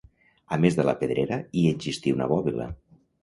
A més de la pedrera, hi existí una bòbila.